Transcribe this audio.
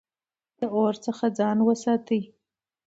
د اور څخه ځان وساتئ